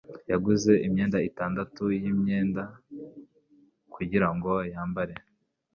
Yaguze imyenda itandatu yimyenda kugirango yambare.